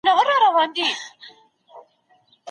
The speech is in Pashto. د هیواد سړي سر عاید مخکي هم لوړ سوی و.